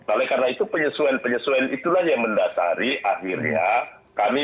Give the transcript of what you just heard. oleh karena itu penyesuaian penyesuaian itulah yang mendasari akhirnya kami